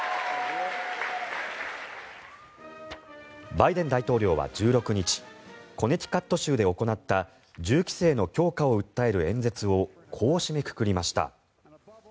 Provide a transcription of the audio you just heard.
バイデン大統領は１６日コネティカット州で行った銃規制の強化を訴える演説をこう締めくくりました。